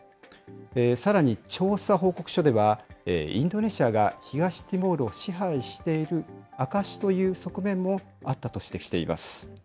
さらに、調査報告書では、インドネシアが東ティモールを支配している証しという側面もあったと指摘しています。